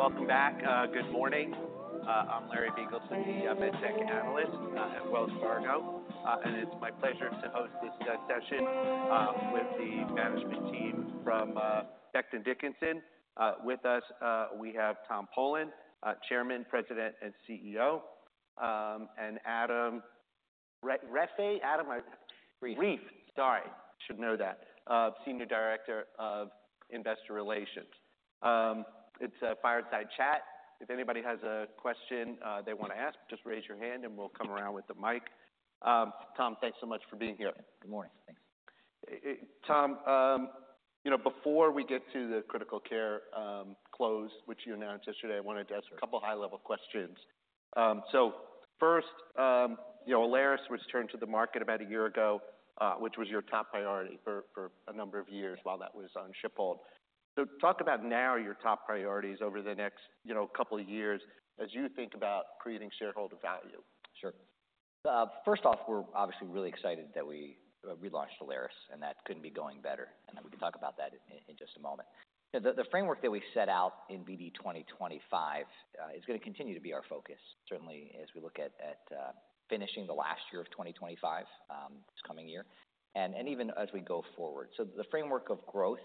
Welcome back. Good morning. I'm Larry Biegelsen, the medtech analyst at Wells Fargo, and it's my pleasure to host this session with the management team from Becton Dickinson. With us we have Tom Polen, Chairman, President, and CEO, and Adam Reiffe? Adam, I- Reiffe. Reffe! Sorry, should know that. Senior Director of Investor Relations. It's a fireside chat. If anybody has a question they want to ask, just raise your hand and we'll come around with the mic. Tom, thanks so much for being here. Good morning. Thanks. Tom, you know, before we get to the Critical Care close, which you announced yesterday, I wanted to ask a couple of high-level questions. So first, you know, Alaris returned to the market about a year ago, which was your top priority for a number of years while that was on ship hold. So talk about now your top priorities over the next, you know, couple of years, as you think about creating shareholder value. Sure. First off, we're obviously really excited that we relaunched Alaris, and that couldn't be going better, and we can talk about that in just a moment. The framework that we set out in BD 2025 is going to continue to be our focus, certainly as we look at finishing the last year of 2025 this coming year, and even as we go forward. So the framework of growth,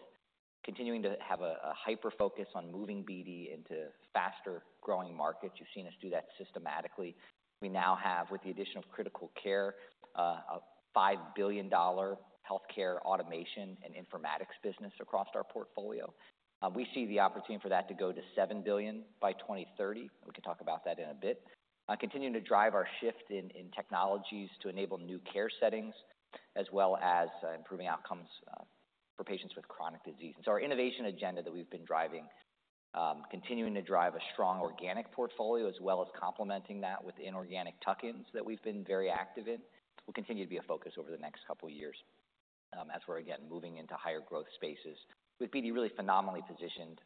continuing to have a hyper focus on moving BD into faster growing markets. You've seen us do that systematically. We now have, with the addition of Critical Care, a $5 billion healthcare automation and informatics business across our portfolio. We see the opportunity for that to go to $7 billion by 2030. We can talk about that in a bit. Continuing to drive our shift in technologies to enable new care settings, as well as improving outcomes for patients with chronic diseases, so our innovation agenda that we've been driving, continuing to drive a strong organic portfolio, as well as complementing that with inorganic tuck-ins that we've been very active in, will continue to be a focus over the next couple of years. As we're, again, moving into higher growth spaces, with BD really phenomenally positioned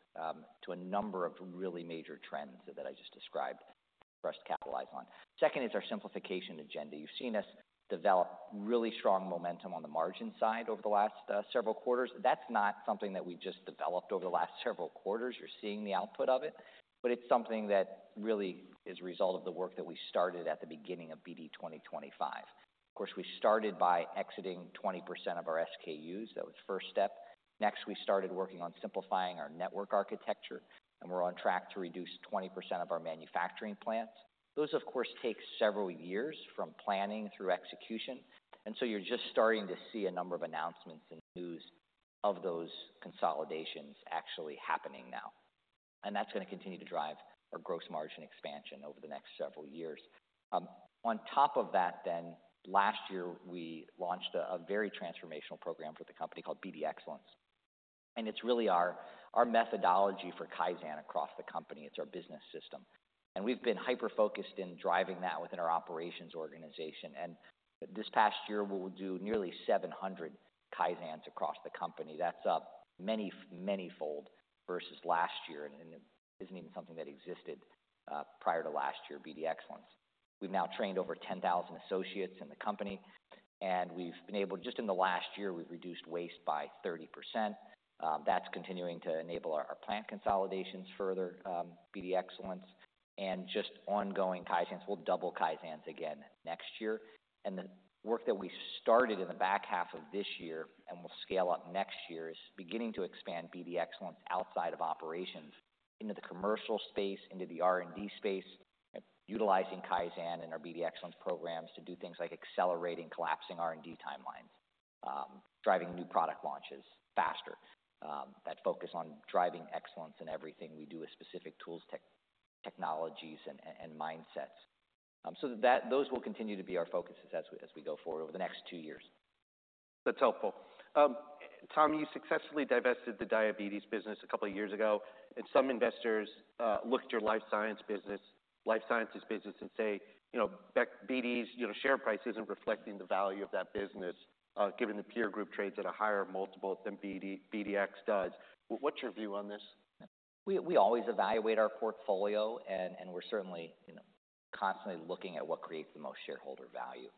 to a number of really major trends that I just described for us to capitalize on. Second is our simplification agenda. You've seen us develop really strong momentum on the margin side over the last several quarters. That's not something that we've just developed over the last several quarters. You're seeing the output of it, but it's something that really is a result of the work that we started at the beginning of BD 2025. Of course, we started by exiting 20% of our SKUs. That was the first step. Next, we started working on simplifying our network architecture, and we're on track to reduce 20% of our manufacturing plants. Those, of course, take several years from planning through execution, and so you're just starting to see a number of announcements and news of those consolidations actually happening now. And that's going to continue to drive our gross margin expansion over the next several years. On top of that, then, last year, we launched a very transformational program for the company called BD Excellence, and it's really our methodology for Kaizen across the company. It's our business system. And we've been hyper-focused in driving that within our operations organization. And this past year, we'll do nearly seven hundred Kaizens across the company. That's up many, many fold versus last year, and it isn't even something that existed, prior to last year, BD Excellence. We've now trained over 10,000 associates in the company, and we've been able, just in the last year, we've reduced waste by 30%. That's continuing to enable our plant consolidations further, BD Excellence and just ongoing Kaizens. We'll double Kaizens again next year. And the work that we started in the back half of this year and will scale up next year, is beginning to expand BD Excellence outside of operations into the commercial space, into the R&D space, utilizing Kaizen and our BD Excellence programs to do things like accelerating, collapsing R&D timelines, driving new product launches faster. That focus on driving excellence in everything we do with specific tools, technologies and mindsets, so that those will continue to be our focuses as we go forward over the next two years. That's helpful. Tom, you successfully divested the diabetes business a couple of years ago, and some investors look at your Life Sciences business and say, you know, BD's, you know, share price isn't reflecting the value of that business, given the peer group trades at a higher multiple than BD, BDX does. What's your view on this? We always evaluate our portfolio, and we're certainly, you know, constantly looking at what creates the most shareholder value.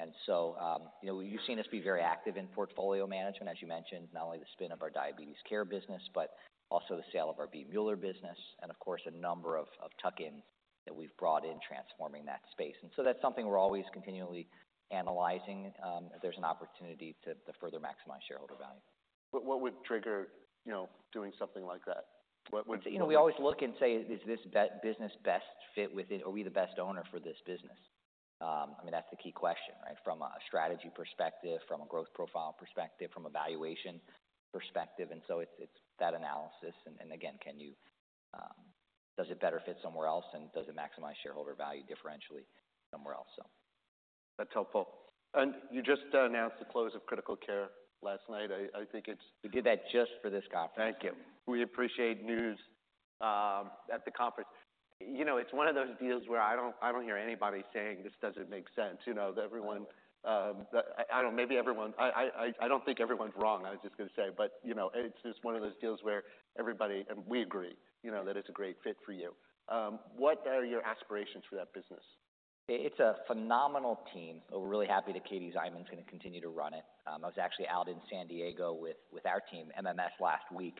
And so, you know, you've seen us be very active in portfolio management, as you mentioned, not only the spin of our Diabetes Care business, but also the sale of our V. Mueller business, and of course, a number of tuck-ins that we've brought in transforming that space. And so that's something we're always continually analyzing, if there's an opportunity to further maximize shareholder value. What would trigger, you know, doing something like that? You know, we always look and say, is this business best fit within? Are we the best owner for this business? I mean, that's the key question, right? From a strategy perspective, from a growth profile perspective, from a valuation perspective, and so it's, it's that analysis. And again, does it better fit somewhere else, and does it maximize shareholder value differentially somewhere else? So. That's helpful. And you just announced the close of Critical Care last night. I think it's. We did that just for this conference. Thank you. We appreciate news at the conference. You know, it's one of those deals where I don't hear anybody saying: This doesn't make sense. You know, everyone, I don't think everyone's wrong, I was just going to say. But, you know, it's just one of those deals where everybody, and we agree, you know, that it's a great fit for you. What are your aspirations for that business?... It's a phenomenal team. We're really happy that Katie Szyman is going to continue to run it. I was actually out in San Diego with our team, MMS, last week,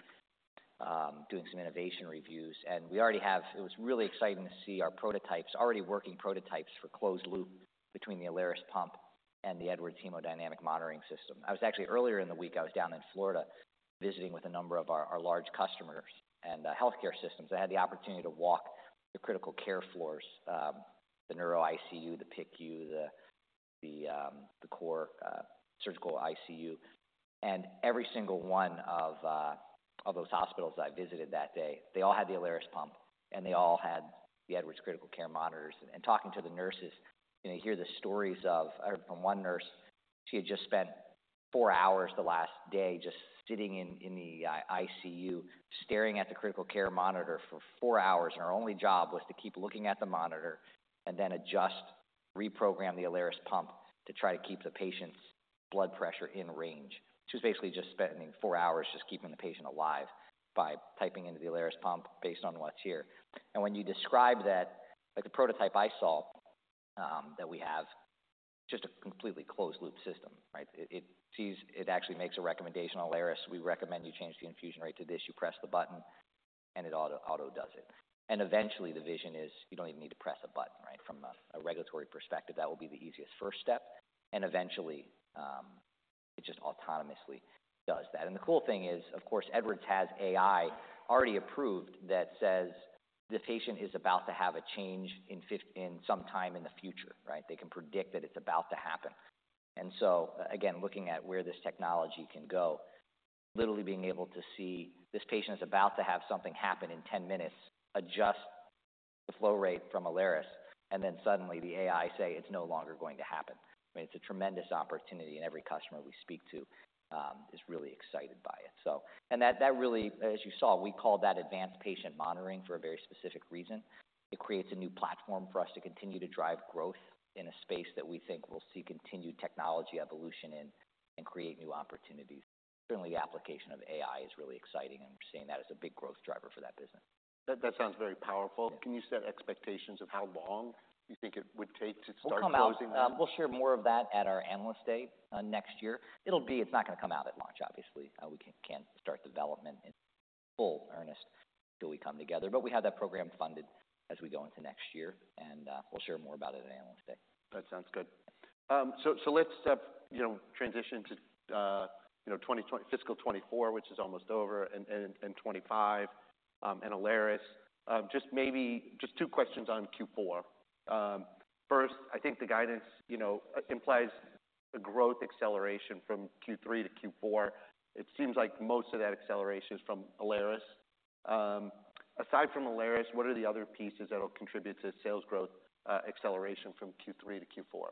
doing some innovation reviews, and we already have. It was really exciting to see our prototypes, already working prototypes for closed loop between the Alaris pump and the Edwards hemodynamic monitoring system. I was actually, earlier in the week, I was down in Florida visiting with a number of our large customers and healthcare systems. I had the opportunity to walk the Critical Care floors, the neuro ICU, the PICU, the cardiac surgical ICU, and every single one of those hospitals I visited that day, they all had the Alaris pump, and they all had the Edwards Critical Care monitors. Talking to the nurses, you know, you hear the stories of... I heard from one nurse; she had just spent four hours the last day just sitting in the ICU, staring at the Critical Care monitor for four hours, and her only job was to keep looking at the monitor and then adjust, reprogram the Alaris pump to try to keep the patient's blood pressure in range. She was basically just spending four hours just keeping the patient alive by typing into the Alaris pump based on what's here. When you describe that, like the prototype I saw that we have, just a completely closed loop system, right? It sees; it actually makes a recommendation on Alaris. We recommend you change the infusion rate to this. You press the button and it auto does it. And eventually, the vision is you don't even need to press a button, right? From a regulatory perspective, that will be the easiest first step, and eventually, it just autonomously does that. And the cool thing is, of course, Edwards has AI already approved that says the patient is about to have a change sometime in the future, right? They can predict that it's about to happen. And so, again, looking at where this technology can go, literally being able to see this patient is about to have something happen in 10 minutes, adjust the flow rate from Alaris, and then suddenly the AI say it's no longer going to happen. I mean, it's a tremendous opportunity, and every customer we speak to is really excited by it. That really, as you saw, we called that advanced patient monitoring for a very specific reason. It creates a new platform for us to continue to drive growth in a space that we think will see continued technology evolution in and create new opportunities. Certainly, the application of AI is really exciting, and we're seeing that as a big growth driver for that business. That sounds very powerful. Yeah. Can you set expectations of how long you think it would take to start closing that? We'll come out, we'll share more of that at our Analyst Day next year. It'll be... It's not going to come out at launch, obviously. We can't start development in full earnest till we come together. But we have that program funded as we go into next year, and we'll share more about it at Analyst Day. That sounds good. So, let's, you know, transition to, you know, fiscal 2024, which is almost over, and 2025, and Alaris. Just maybe two questions on Q4. First, I think the guidance, you know, implies a growth acceleration from Q3 to Q4. It seems like most of that acceleration is from Alaris. Aside from Alaris, what are the other pieces that will contribute to sales growth acceleration from Q3 to Q4?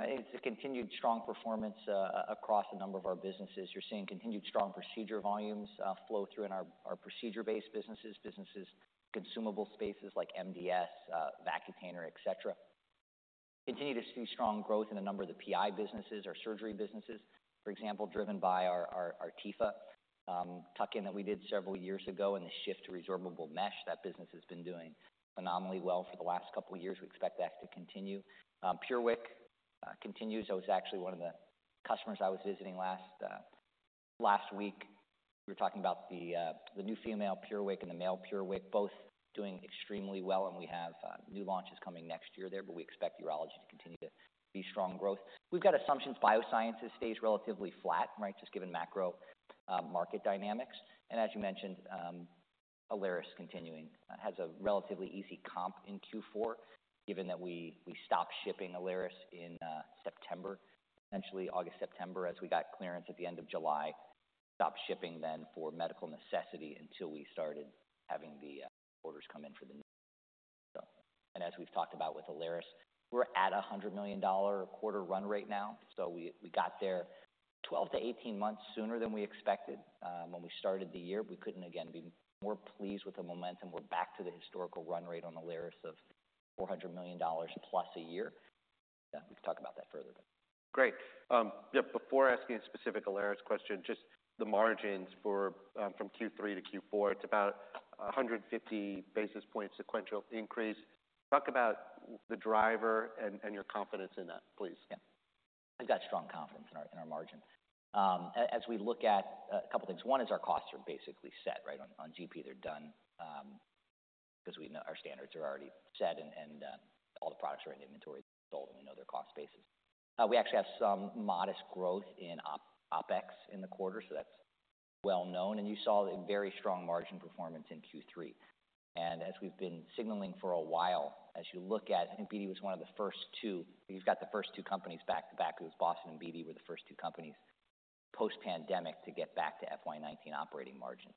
It's a continued strong performance across a number of our businesses. You're seeing continued strong procedure volumes flow through in our procedure-based businesses, consumable spaces like MDS, Vacutainer, et cetera. Continue to see strong growth in a number of the PI businesses, our Surgery businesses, for example, driven by our Tepha tuck-in that we did several years ago and the shift to resorbable mesh. That business has been doing phenomenally well for the last couple of years. We expect that to continue. PureWick continues. That was actually one of the customers I was visiting last week. We were talking about the new female PureWick and the male PureWick, both doing extremely well, and we have new launches coming next year there, but we expect Urology to continue to be strong growth. We've got assumptions. Biosciences stays relatively flat, right? Just given macro market dynamics, and as you mentioned, Alaris continuing. It has a relatively easy comp in Q4, given that we stopped shipping Alaris in September, essentially August, September, as we got clearance at the end of July. Stopped shipping then for medical necessity until we started having the orders come in for the new. And as we've talked about with Alaris, we're at a $100 million quarter run rate now, so we got there 12-18 months sooner than we expected, when we started the year. We couldn't, again, be more pleased with the momentum. We're back to the historical run rate on Alaris of $400+ million a year. Yeah, we can talk about that further. Great. Yeah, before asking a specific Alaris question, just the margins for from Q3 to Q4, it's about a hundred and fifty basis point sequential increase. Talk about the driver and your confidence in that, please. Yeah. We've got strong confidence in our margin. As we look at a couple of things, one is our costs are basically set, right, on GP, they're done, because we know our standards are already set and all the products are in inventory, sold, and we know their cost basis. We actually have some modest growth in OpEx in the quarter, so that's well known. And you saw a very strong margin performance in Q3. And as we've been signaling for a while, as you look at, I think BD was one of the first two. You've got the first two companies back to back. It was Boston and BD were the first two companies post-pandemic to get back to FY 2019 operating margin.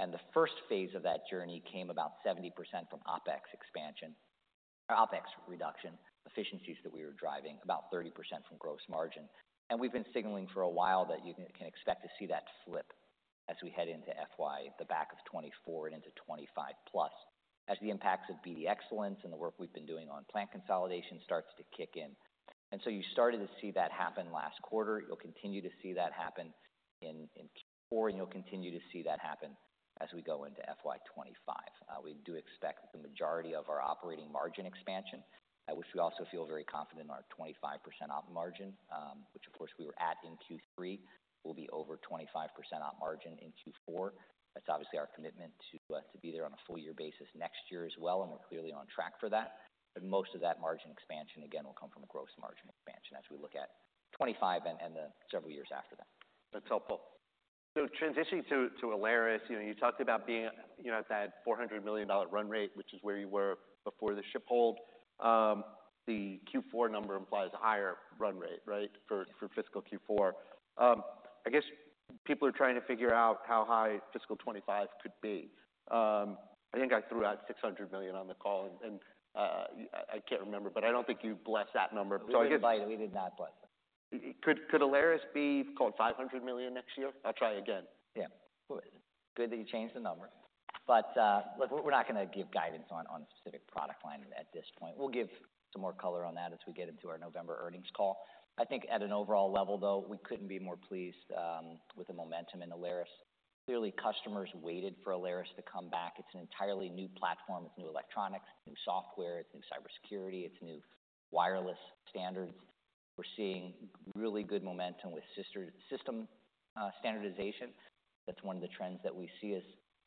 The first phase of that journey came about 70% from OpEx expansion, or OpEx reduction, efficiencies that we were driving, about 30% from gross margin. We've been signaling for a while that you can expect to see that flip as we head into FY, the back of 2024 and into 2025 plus. As the impacts of BD Excellence and the work we've been doing on plant consolidation starts to kick in. You started to see that happen last quarter. You'll continue to see that happen in Q4, and you'll continue to see that happen as we go into FY 2025. We do expect the majority of our operating margin expansion, at which we also feel very confident in our 25% op margin, which of course we were at in Q3, will be over 25% op margin in Q4. That's obviously our commitment to be there on a full year basis next year as well, and we're clearly on track for that. But most of that margin expansion, again, will come from a gross margin expansion as we look at 2025 and the several years after that. That's helpful, so transitioning to Alaris, you know, you talked about being, you know, at that $400 million run rate, which is where you were before the ship hold. The Q4 number implies a higher run rate, right? For fiscal Q4. I guess people are trying to figure out how high fiscal 2025 could be. I think I threw out $600 million on the call, and I can't remember, but I don't think you blessed that number. We did not bless it. Could Alaris be, call it $500 million next year? I'll try again. Yeah. Good that you changed the number. But, look, we're not going to give guidance on a specific product line at this point. We'll give some more color on that as we get into our November earnings call. I think at an overall level, though, we couldn't be more pleased with the momentum in Alaris. Clearly, customers waited for Alaris to come back. It's an entirely new platform. It's new electronics, new software, it's new cybersecurity, it's new wireless standards. We're seeing really good momentum with sister-system standardization. That's one of the trends that we see as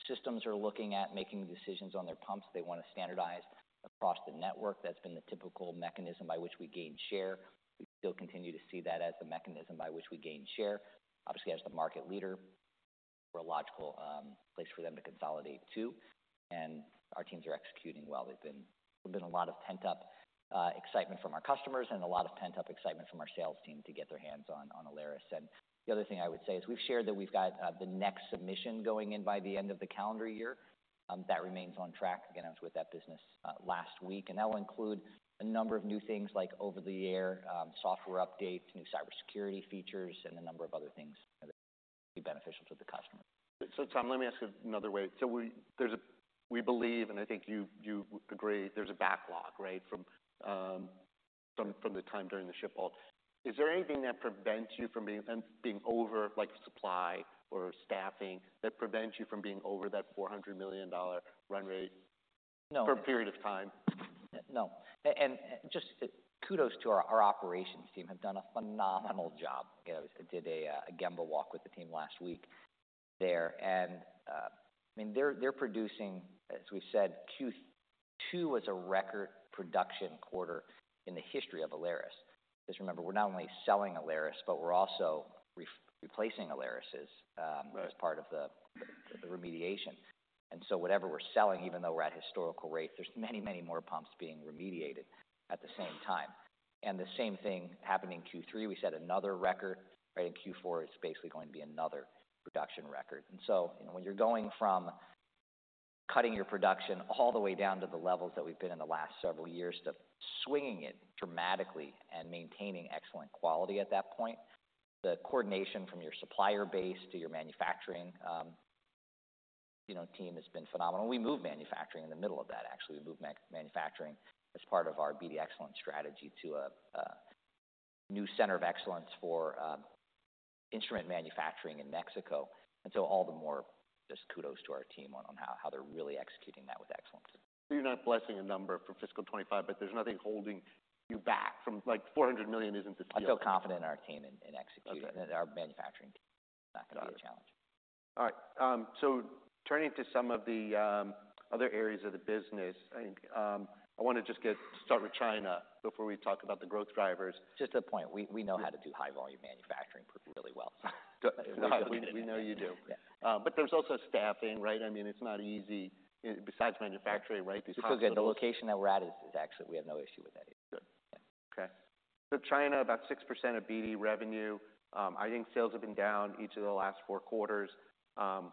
systems are looking at making decisions on their pumps. They want to standardize across the network. That's been the typical mechanism by which we gain share. We still continue to see that as the mechanism by which we gain share. Obviously, as the market leader, we're a logical place for them to consolidate to, and our teams are executing well. There's been a lot of pent up excitement from our customers and a lot of pent up excitement from our sales team to get their hands on Alaris. And the other thing I would say is we've shared that we've got the next submission going in by the end of the calendar year. That remains on track. Again, I was with that business last week, and that will include a number of new things like over-the-air software updates, new cybersecurity features, and a number of other things that will be beneficial to the customer. So Tom, let me ask you another way. We believe, and I think you agree, there's a backlog, right? From the time during the ship halt. Is there anything, like supply or staffing, that prevents you from being over that $400 million run rate. No. For a period of time? No. And just kudos to our operations team. They have done a phenomenal job. I did a Gemba walk with the team last week there. And I mean, they're producing, as we said. Q2 was a record production quarter in the history of Alaris. Just remember, we're not only selling Alaris, but we're also replacing Alaris. Right. As part of the remediation. And so whatever we're selling, even though we're at historical rates, there's many, many more pumps being remediated at the same time. And the same thing happened in Q3. We set another record, right? In Q4, it's basically going to be another production record. And so when you're going from cutting your production all the way down to the levels that we've been in the last several years, to swinging it dramatically and maintaining excellent quality at that point, the coordination from your supplier base to your manufacturing, you know, team has been phenomenal. We moved manufacturing in the middle of that. Actually, we moved manufacturing as part of our BD Excellence strategy to a new center of excellence for instrument manufacturing in Mexico. All the more just kudos to our team on how they're really executing that with excellence. So you're not blessing a number for fiscal 2025, but there's nothing holding you back from, like, $400 million isn't the deal. I feel confident in our team in executing. Okay. Our manufacturing team. It's not going to be a challenge. All right, so turning to some of the other areas of the business, I think I want to just start with China before we talk about the growth drivers. Just a point. We know how to do high-volume manufacturing pretty really well. We know you do. Yeah. But there's also staffing, right? I mean, it's not easy besides manufacturing, right? The location that we're at is actually. We have no issue with that either. Good. Yeah. Okay. So China, about 6% of BD revenue. I think sales have been down each of the last four quarters.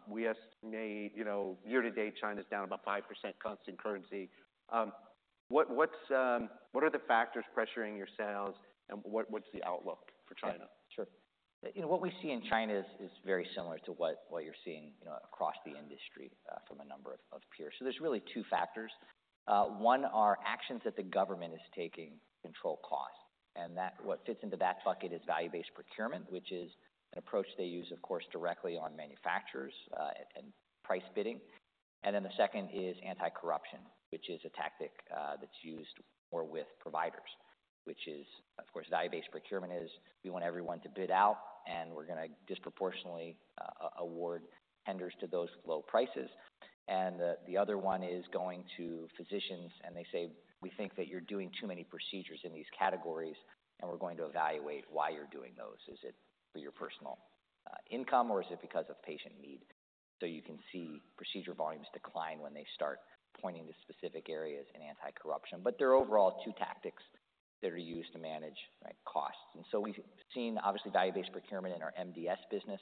We estimate, you know, year to date, China's down about 5% constant currency. What are the factors pressuring your sales, and what's the outlook for China? Sure. You know, what we see in China is very similar to what you're seeing, you know, across the industry, from a number of peers. So there's really two factors. One, are actions that the government is taking to control costs, and what fits into that bucket is value-based procurement, which is an approach they use, of course, directly on manufacturers, and price bidding. And then the second is anti-corruption, which is a tactic that's used more with providers, which is, of course, value-based procurement, is we want everyone to bid out, and we're gonna disproportionately award tenders to those low prices. And the other one is going to physicians, and they say: "We think that you're doing too many procedures in these categories, and we're going to evaluate why you're doing those. Is it for your personal income, or is it because of patient need?" So you can see procedure volumes decline when they start pointing to specific areas in anti-corruption. But there are overall two tactics that are used to manage, right, costs. And so we've seen, obviously, value-based procurement in our MDS business.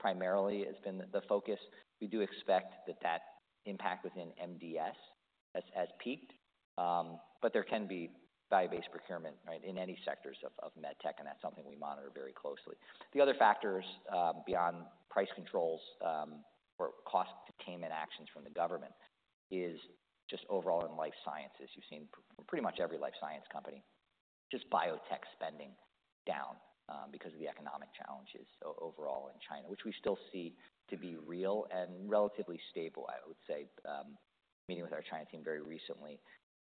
Primarily, it's been the focus. We do expect that that impact within MDS has peaked, but there can be value-based procurement, right, in any sectors of med tech, and that's something we monitor very closely. The other factors beyond price controls or cost containment actions from the government is just overall in life sciences. You've seen pretty much every life science company, just biotech spending down because of the economic challenges overall in China, which we still see to be real and relatively stable. I would say, meeting with our China team very recently,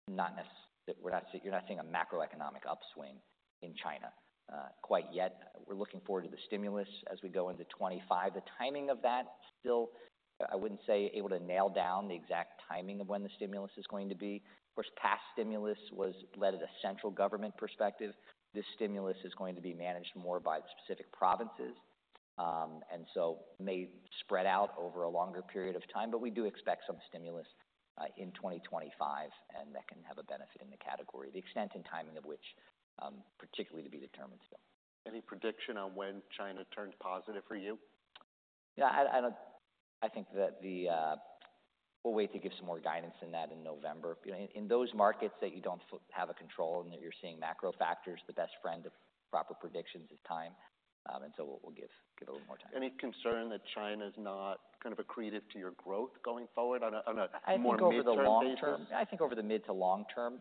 not necessarily. We're not, you're not seeing a macroeconomic upswing in China, quite yet. We're looking forward to the stimulus as we go into 2025. The timing of that still, I wouldn't say able to nail down the exact timing of when the stimulus is going to be. Of course, past stimulus was led at a central government perspective. This stimulus is going to be managed more by the specific provinces, and so may spread out over a longer period of time. But we do expect some stimulus, in 2025, and that can have a benefit in the category, the extent and timing of which, particularly to be determined still. Any prediction on when China turns positive for you? Yeah, I don't think that we'll wait to give some more guidance than that in November. In those markets that you don't have a control and that you're seeing macro factors, the best friend of proper predictions is time. And so we'll give it a little more time. Any concern that China's not kind of accretive to your growth going forward on a more mid-term basis? I think over the long term, I think over the mid to long term,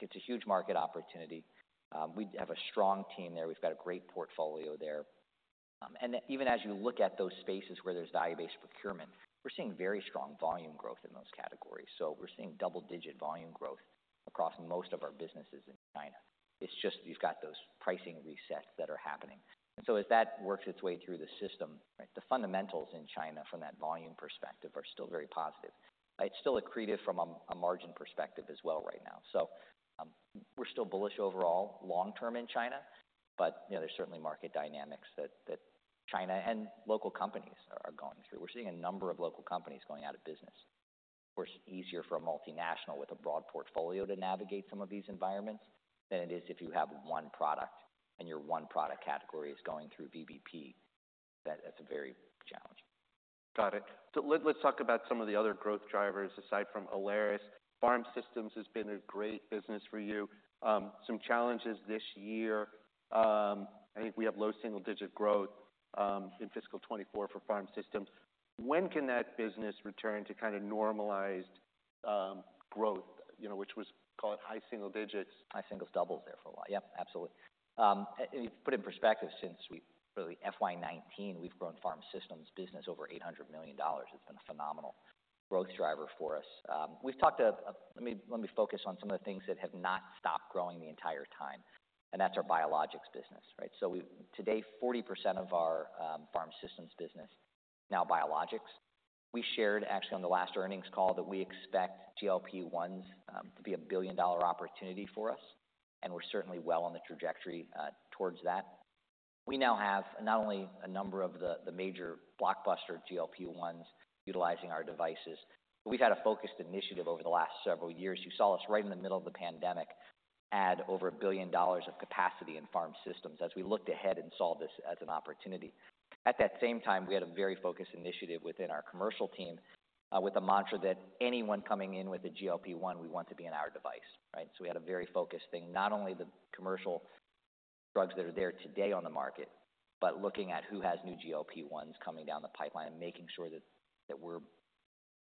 it's a huge market opportunity. We have a strong team there. We've got a great portfolio there. And even as you look at those spaces where there's value-based procurement, we're seeing very strong volume growth in those categories. So we're seeing double-digit volume growth across most of our businesses in China. It's just, you've got those pricing resets that are happening. And so as that works its way through the system, the fundamentals in China from that volume perspective are still very positive. It's still accretive from a margin perspective as well right now. So, we're still bullish overall long term in China, but, you know, there's certainly market dynamics that China and local companies are going through. We're seeing a number of local companies going out of business. Of course, easier for a multinational with a broad portfolio to navigate some of these environments than it is if you have one product, and your one product category is going through VBP. That's very challenging. Got it. So let's talk about some of the other growth drivers aside from Alaris. Pharm Systems has been a great business for you. Some challenges this year. I think we have low single-digit growth in fiscal 2024 for Pharm Systems. When can that business return to kind of normalized growth, you know, which was called high single digits? High singles, doubles there for a while. Yep, absolutely. And you put it in perspective, since we really FY 2019, we've grown Pharm Systems business over $800 million. It's been a phenomenal growth driver for us. We've talked, let me focus on some of the things that have not stopped growing the entire time, and that's our biologics business, right? So we've today, 40% of our Pharm Systems business, now biologics. We shared actually on the last earnings call, that we expect GLP-1s to be a $1 billion opportunity for us, and we're certainly well on the trajectory towards that. We now have not only a number of the major blockbuster GLP-1s utilizing our devices. We've had a focused initiative over the last several years. You saw us right in the middle of the pandemic, add over $1 billion of capacity in Pharm Systems as we looked ahead and saw this as an opportunity. At that same time, we had a very focused initiative within our commercial team with the mantra that anyone coming in with a GLP-1, we want to be in our device, right? So we had a very focused thing, not only the commercial drugs that are there today on the market, but looking at who has new GLP-1s coming down the pipeline and making sure that we're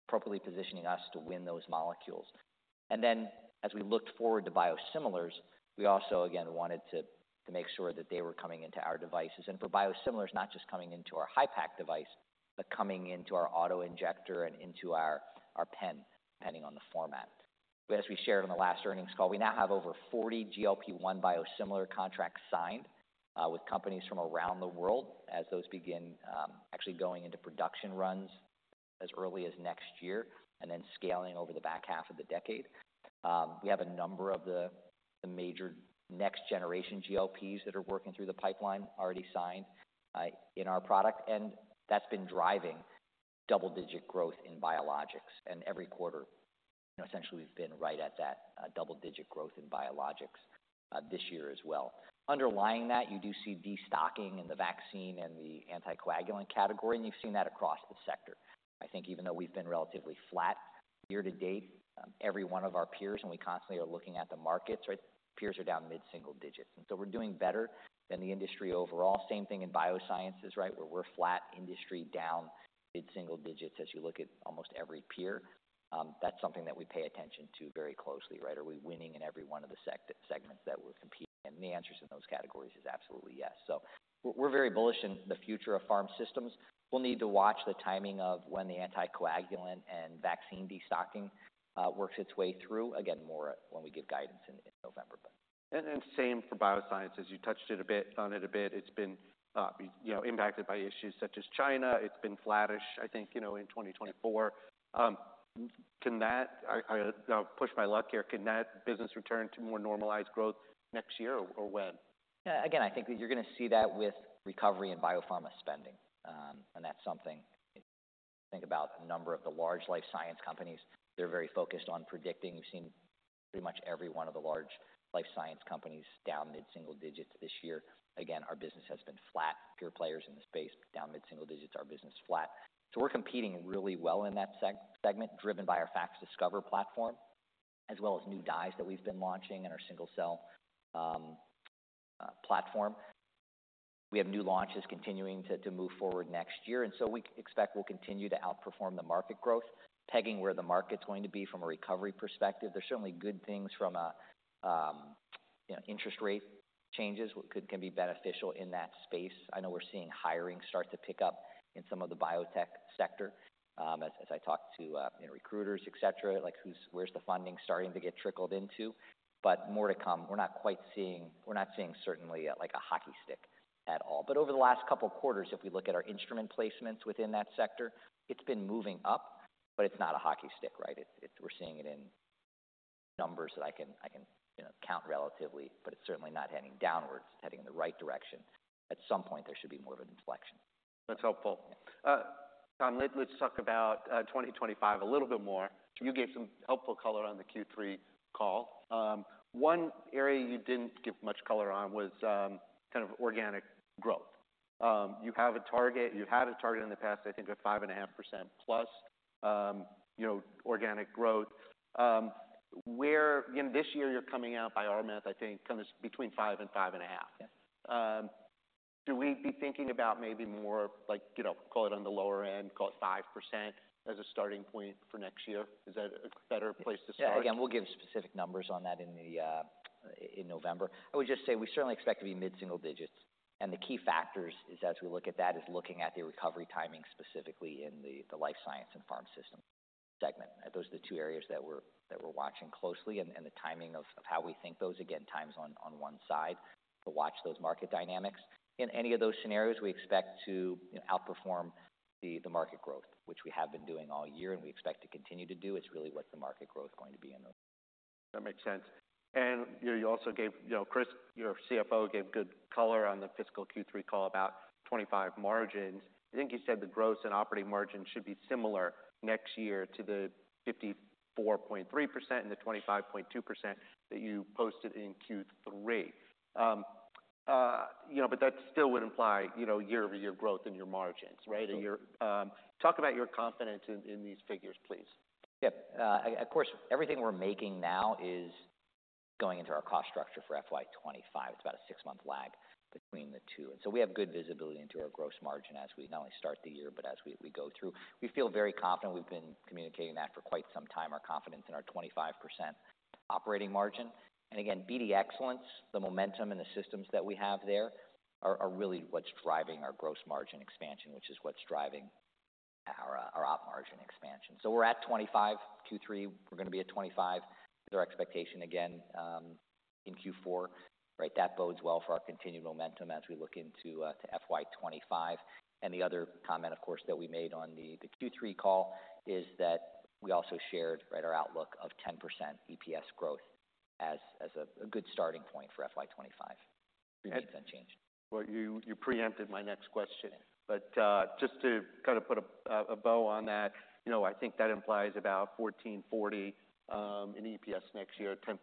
appropriately positioning us to win those molecules. And then, as we looked forward to biosimilars, we also again wanted to make sure that they were coming into our devices, and for biosimilars, not just coming into our Hypak device, but coming into our auto injector and into our pen, depending on the format. But as we shared on the last earnings call, we now have over 40 GLP-1 biosimilar contracts signed with companies from around the world as those begin actually going into production runs as early as next year and then scaling over the back half of the decade. We have a number of the major next generation GLPs that are working through the pipeline, already signed in our product, and that's been driving double-digit growth in biologics. And every quarter, essentially, we've been right at that double-digit growth in biologics this year as well. Underlying that, you do see destocking in the vaccine and the anticoagulant category, and you've seen that across the sector. I think even though we've been relatively flat year to date, every one of our peers, and we constantly are looking at the markets, right? Peers are down mid-single digits, and so we're doing better than the industry overall. Same thing in Biosciences, right, where we're flat, industry down mid-single digits as you look at almost every peer. That's something that we pay attention to very closely, right? Are we winning in every one of the segments that we're competing in? The answers in those categories is absolutely, yes. So we're, we're very bullish in the future of Pharm Systems. We'll need to watch the timing of when the anticoagulant and vaccine destocking works its way through. Again, more when we give guidance in November. Same for Biosciences. You touched it a bit, on it a bit. It's been, you know, impacted by issues such as China. It's been flattish, I think, you know, in 2024. Can that... I'll push my luck here. Can that business return to more normalized growth next year, or when? Yeah, again, I think you're going to see that with recovery in biopharma spending. And that's something, think about a number of the large life science companies. They're very focused on predicting. We've seen pretty much every one of the large life science companies down mid-single digits this year. Again, our business has been flat. Pure players in the space, down mid-single digits, our business flat. So we're competing really well in that segment, driven by our FACSDiscover platform, as well as new dyes that we've been launching in our single-cell platform. We have new launches continuing to move forward next year, and so we expect we'll continue to outperform the market growth, pegging where the market's going to be from a recovery perspective. There's certainly good things from a, you know, interest rate changes, what can be beneficial in that space. I know we're seeing hiring start to pick up in some of the biotech sector, as I talk to you know, recruiters, et cetera, like, who's where's the funding starting to get trickled into? But more to come. We're not quite seeing certainly, like, a hockey stick at all. But over the last couple of quarters, if we look at our instrument placements within that sector, it's been moving up, but it's not a hockey stick, right? It's, we're seeing it in numbers that I can you know, count relatively, but it's certainly not heading downwards, it's heading in the right direction. At some point, there should be more of an inflection. That's helpful. Tom, let's talk about 2025 a little bit more. You gave some helpful color on the Q3 call. One area you didn't give much color on was kind of organic growth. You have a target, you had a target in the past, I think, of 5.5% plus, you know, organic growth. Where, you know, this year you're coming out by our math, I think, comes between 5% and 5.5%. Yes. Should we be thinking about maybe more like, you know, call it on the lower end, call it 5% as a starting point for next year? Is that a better place to start? Yeah, again, we'll give specific numbers on that in the in November. I would just say we certainly expect to be mid-single digits, and the key factors is, as we look at that, is looking at the recovery timing, specifically in the life sciences and pharma segment. Those are the two areas that we're watching closely and the timing of how we think those, again, times on one side, but watch those market dynamics. In any of those scenarios, we expect to, you know, outperform the market growth, which we have been doing all year, and we expect to continue to do. It's really what the market growth is going to be in those. That makes sense. And you also gave, you know, Chris, your CFO, gave good color on the fiscal Q3 call about 2025 margins. I think you said the gross and operating margins should be similar next year to the 54.3% and the 25.2% that you posted in Q3. You know, but that still would imply, you know, year-over-year growth in your margins, right? Sure. Your talk about your confidence in these figures, please. Yep. Of course, everything we're making now is going into our cost structure for FY 2025. It's about a six-month lag between the two, and so we have good visibility into our gross margin as we not only start the year, but as we go through. We feel very confident. We've been communicating that for quite some time, our confidence in our 25% operating margin, and again, BD Excellence, the momentum and the systems that we have there are really what's driving our gross margin expansion, which is what's driving our op margin expansion, so we're at 25, Q3, we're going to be at 25. Our expectation again, in Q4, right? That bodes well for our continued momentum as we look into to FY 2025. The other comment, of course, that we made on the Q3 call is that we also shared, right, our outlook of 10% EPS growth as a good starting point for FY 2025. We made that change. You preempted my next question, but just to kind of put a bow on that, you know, I think that implies about $14.40 in EPS next year at 10%.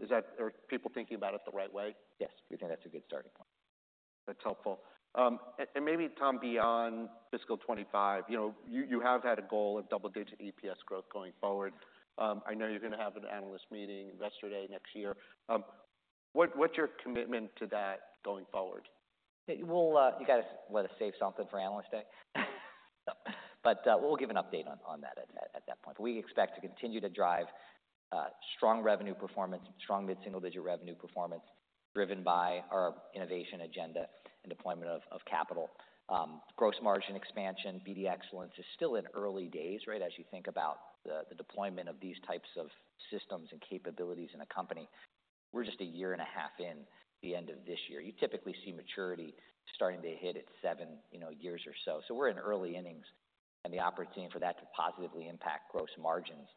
Is that, are people thinking about it the right way? Yes, we think that's a good starting point. That's helpful, and maybe, Tom, beyond fiscal 2025, you know, you have had a goal of double-digit EPS growth going forward. I know you're going to have an analyst meeting yesterday, next year. What's your commitment to that going forward? We'll, you got to want to save something for Analyst Day. But, we'll give an update on that at that point. We expect to continue to drive strong revenue performance, strong mid-single digit revenue performance, driven by our innovation agenda and deployment of capital. Gross margin expansion, BD Excellence, is still in early days, right? As you think about the deployment of these types of systems and capabilities in a company. We're just a year and a half in the end of this year. You typically see maturity starting to hit at seven, you know, years or so. So we're in early innings, and the opportunity for that to positively impact gross margins,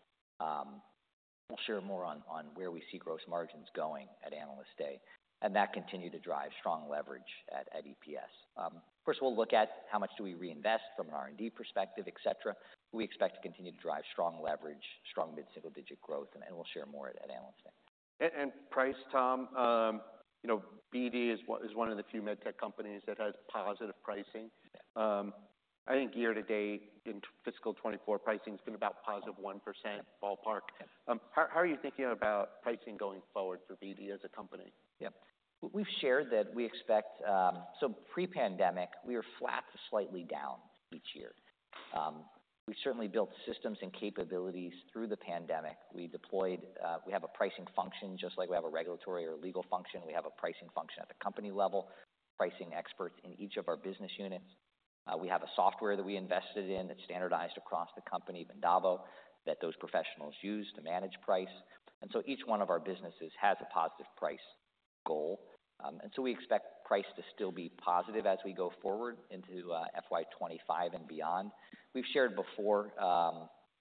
we'll share more on where we see gross margins going at Analyst Day, and that continued to drive strong leverage at EPS. First of all, look at how much do we reinvest from an R&D perspective, et cetera. We expect to continue to drive strong leverage, strong mid-single digit growth, and we'll share more at Analyst Day. Price, Tom, you know, BD is one of the few med tech companies that has positive pricing. Yeah. I think year to date, in fiscal 2024, pricing has been about +1% ballpark. Yeah. How are you thinking about pricing going forward for BD as a company? Yeah. We've shared that we expect. So pre-pandemic, we were flat to slightly down each year. We certainly built systems and capabilities through the pandemic. We deployed, we have a pricing function just like we have a regulatory or legal function. We have a pricing function at the company level, pricing experts in each of our business units. We have a software that we invested in that's standardized across the company, Vendavo, that those professionals use to manage price. And so each one of our businesses has a positive price goal. And so we expect price to still be positive as we go forward into, FY 2025 and beyond. We've shared before,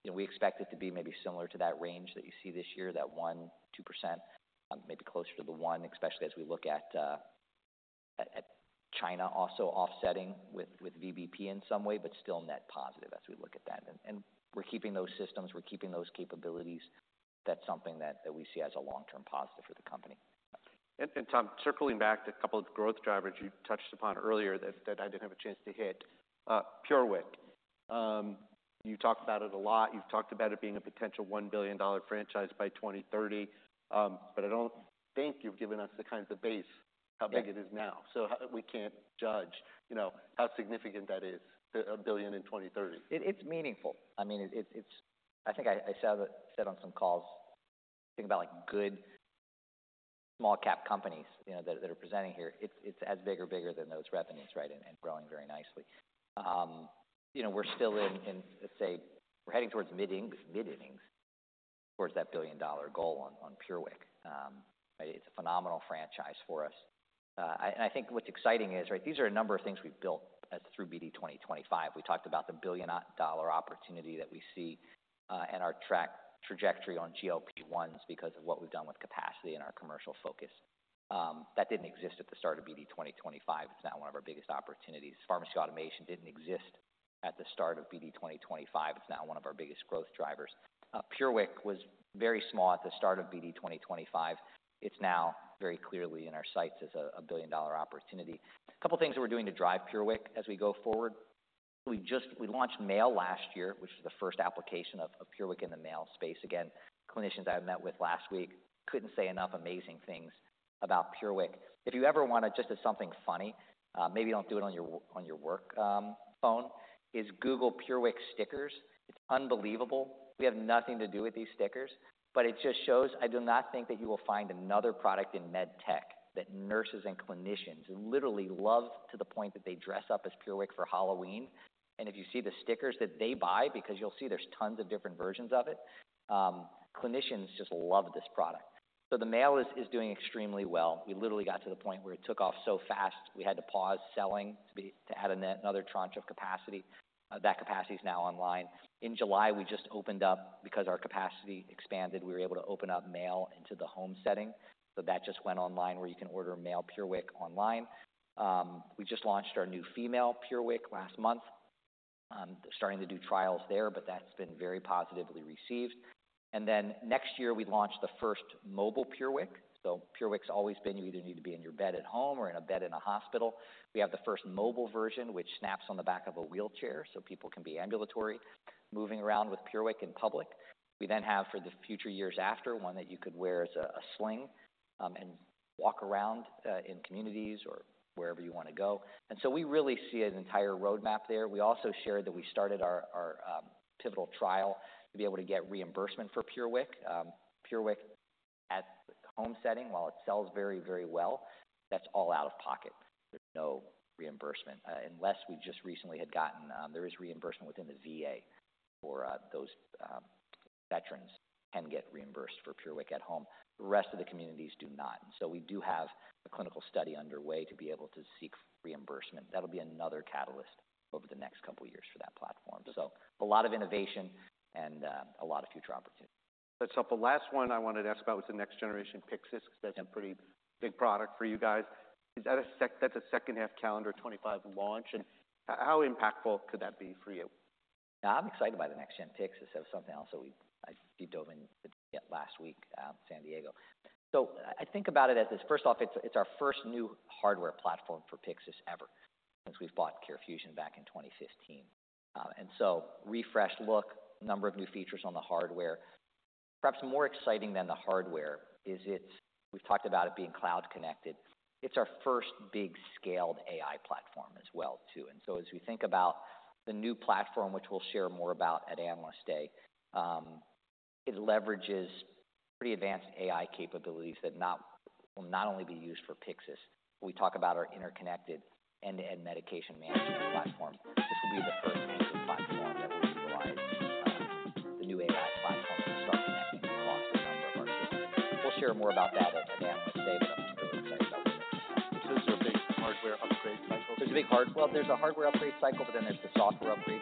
you know, we expect it to be maybe similar to that range that you see this year, 1%-2%, maybe closer to the 1%, especially as we look at China also offsetting with VBP in some way, but still net positive as we look at that. We're keeping those systems, we're keeping those capabilities. That's something that we see as a long-term positive for the company. Tom, circling back to a couple of growth drivers you touched upon earlier that I didn't have a chance to hit, PureWick. You talked about it a lot. You've talked about it being a potential $1 billion franchise by 2030, but I don't think you've given us the kinds of base, how big it is now, so we can't judge, you know, how significant that is, a billion in 2030. It's meaningful. I mean, it's. I think I said on some calls, think about like good small-cap companies, you know, that are presenting here. It's as big or bigger than those revenues, right? And growing very nicely. You know, we're still in, let's say, we're heading towards mid innings, mid innings, towards that billion-dollar goal on PureWick. It's a phenomenal franchise for us. And I think what's exciting is, right, these are a number of things we've built out through BD 2025. We talked about the billion-dollar opportunity that we see, and our strong trajectory on GLP-1, because of what we've done with capacity and our commercial focus. That didn't exist at the start of BD 2025. It's now one of our biggest opportunities. Pharmacy automation didn't exist at the start of BD 2025. It's now one of our biggest growth drivers. PureWick was very small at the start of BD 2025. It's now very clearly in our sights as a billion-dollar opportunity. A couple of things that we're doing to drive PureWick as we go forward. We launched male last year, which is the first application of PureWick in the male space. Again, clinicians I met with last week couldn't say enough amazing things about PureWick. If you ever want to, just as something funny, maybe don't do it on your work phone, just Google PureWick stickers. It's unbelievable. We have nothing to do with these stickers, but it just shows. I do not think that you will find another product in med tech that nurses and clinicians literally love to the point that they dress up as PureWick for Halloween, and if you see the stickers that they buy, because you'll see there's tons of different versions of it, clinicians just love this product, so the male is doing extremely well. We literally got to the point where it took off so fast we had to pause selling to add another tranche of capacity. That capacity is now online. In July, we just opened up because our capacity expanded, we were able to open up male into the home setting, so that just went online, where you can order a male PureWick online. We just launched our new female PureWick last month. Starting to do trials there, but that's been very positively received, and then next year, we launched the first mobile PureWick. So PureWick's always been, you either need to be in your bed at home or in a bed in a hospital. We have the first mobile version, which snaps on the back of a wheelchair so people can be ambulatory, moving around with PureWick in public. We then have, for the future years after, one that you could wear as a sling, and walk around, in communities or wherever you want to go, and so we really see an entire roadmap there. We also shared that we started our pivotal trial to be able to get reimbursement for PureWick. PureWick at the home setting, while it sells very, very well, that's all out of pocket. There's no reimbursement unless we just recently had gotten. There is reimbursement within the VA for those veterans can get reimbursed for PureWick at home. The rest of the communities do not, so we do have a clinical study underway to be able to seek reimbursement. That'll be another catalyst over the next couple of years for that platform, a lot of innovation and a lot of future opportunities. That's helpful. Last one I wanted to ask about was the next generation Pyxis. That's a pretty big product for you guys. Is that a second half calendar 2025 launch? And how impactful could that be for you? I'm excited by the next gen Pyxis. So something else that we, I dove into last week, San Diego. So I think about it as this. First off, it's our first new hardware platform for Pyxis ever, since we've bought CareFusion back in 2015. And so refreshed look, number of new features on the hardware. Perhaps more exciting than the hardware is. We've talked about it being cloud-connected. It's our first big scaled AI platform as well, too. And so as we think about the new platform, which we'll share more about at Analyst Day, it leverages pretty advanced AI capabilities that will not only be used for Pyxis. We talk about our interconnected end-to-end medication management platform. This will be the first platform that will utilize the new AI platform and start connecting across a number of our systems. We'll share more about that at Analyst Day, but I'm really excited about the next gen. Is this a big hardware upgrade cycle? There's a hardware upgrade cycle, but then there's the software upgrade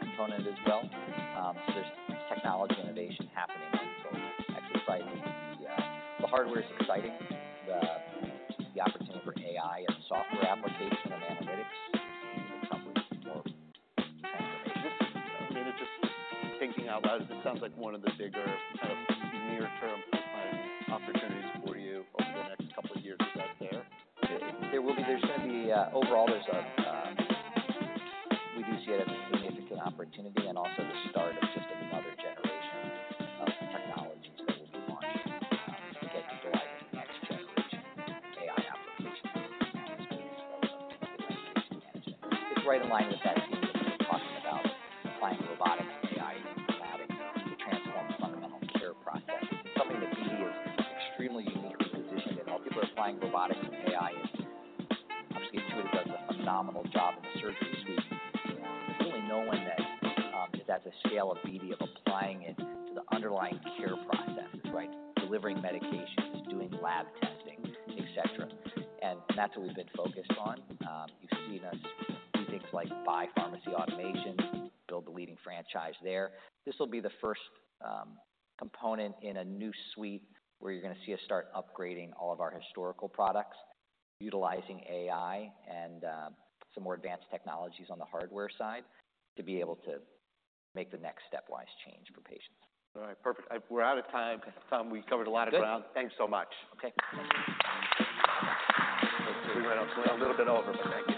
component as well. There's technology innovation happening, and so I'm excited. The hardware is exciting. The opportunity for AI and software application and analytics is something more fascinating. So just thinking out loud, it sounds like one of the bigger kind of near-term planned opportunities for you over the next couple of years is out there. There's gonna be. Overall, there's a, we do see it as a significant opportunity and also the start of just another generation of technologies that we'll be launching, to get utilizing next-generation AI applications. It's right in line with that theme of talking about applying robotics and AI in the lab to transform the fundamental care process. Something that we are extremely unique in a position that all people are applying robotics and AI into. Obviously, Intuitive does a phenomenal job in the surgery suite. There's only no one that is at the scale of BD, of applying it to the underlying care processes, right? Delivering medications, doing lab testing, et cetera. And that's what we've been focused on. You've seen us do things like buy pharmacy automation, build the leading franchise there. This will be the first component in a new suite where you're gonna see us start upgrading all of our historical products, utilizing AI and some more advanced technologies on the hardware side, to be able to make the next stepwise change for patients. All right, perfect. We're out of time, Tom. We covered a lot of ground. Good. Thanks so much. Okay. We went a little bit over, but thank you.